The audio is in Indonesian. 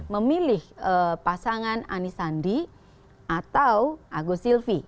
memilih pasangan ani sandi atau agus silvi